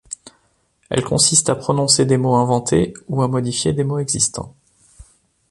Elle consiste à prononcer des mots inventés ou à modifier des mots existants.